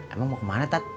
emang mau kemana tat